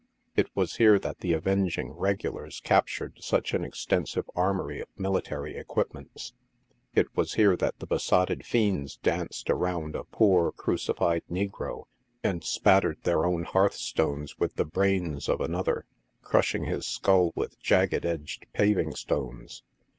It was here that the avenging regulars captured such an extensive armory of military equipments. It was here that the besotted fiends danced around a poor, crucified negro, and spattered their own hearthstones with the brains of another, crashing his skull with jagged edged pavement stones.